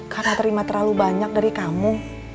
karena terima terlalu banyak dari kamu